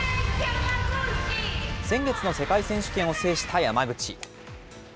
先月の世界選手権を制した山口。